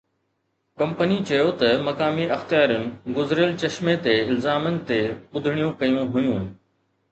company چيو ته مقامي اختيارين گذريل چشمي تي الزامن تي ٻڌڻيون ڪيون هيون